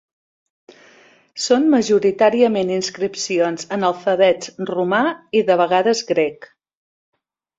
Són majoritàriament inscripcions en alfabets romà i de vegades grec.